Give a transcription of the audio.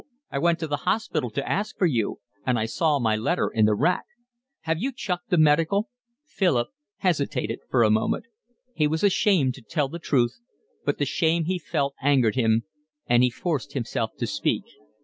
I went to the hospital to ask for you, and I saw my letter in the rack. Have you chucked the Medical?" Philip hesitated for a moment. He was ashamed to tell the truth, but the shame he felt angered him, and he forced himself to speak.